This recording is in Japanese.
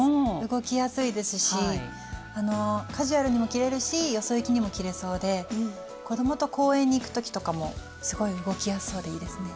動きやすいですしカジュアルにも着れるしよそ行きにも着れそうで子供と公園に行く時とかもすごい動きやすそうでいいですね。